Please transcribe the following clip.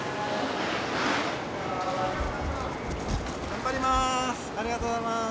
頑張ります！